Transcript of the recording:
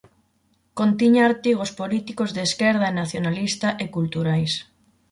Contiña artigos políticos de esquerda e nacionalista e culturais.